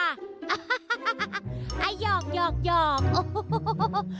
อ๊ะฮ่าอยอกอยอกโอ้โหโหโห